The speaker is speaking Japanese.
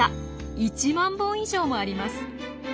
１万本以上もあります！